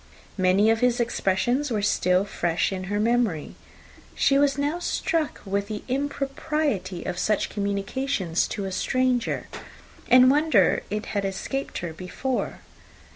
Many of his expressions were still fresh in her memory. She was now struck with the impropriety of such communications to a stranger, and wondered it had escaped her before.